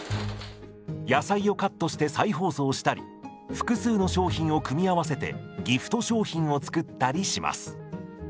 野菜をカットして再包装したり複数の商品を組み合わせてギフト商品を作ったりします。